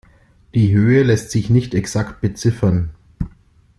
Die Höhe lässt sich nicht exakt beziffern.